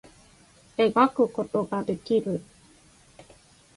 絵描くことができる